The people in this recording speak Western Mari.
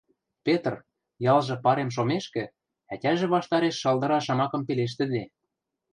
Петр, ялжы парем шомешкӹ, ӓтяжӹ ваштареш шалдыра шамакым пелештӹде